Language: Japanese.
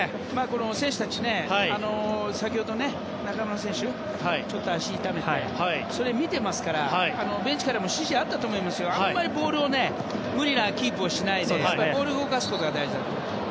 選手たちは先ほど中村選手が足を痛めてそれを見てますからベンチからも指示があったと思いますがあまりボールを無理なキープしないでボールを動かすことが大事ですね。